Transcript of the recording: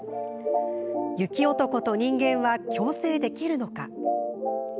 雪男と人間は共生できるのか。